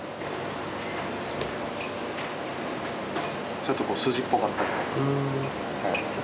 ちょっとこう筋っぽかったり。